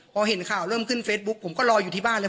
พอเห็นข่าวเริ่มขึ้นเฟซบุ๊กผมก็รออยู่ที่บ้านเลย